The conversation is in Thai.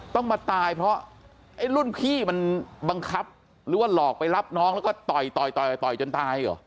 ต้องมาตายเพราะไอ้รุ่นพี่มันบังคับหรือว่าหลอกไปรับน้องแล้วก็ต่อยต่อยต่อยจนตายเหรอ